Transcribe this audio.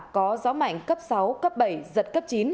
có gió mạnh cấp sáu cấp bảy giật cấp chín